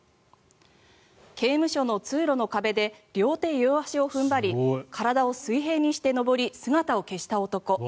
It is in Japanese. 刑務所の通路の壁で両手両足を踏ん張り体を水平にして登り姿を消した男。